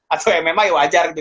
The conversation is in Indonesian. atau ya memang ya wajar gitu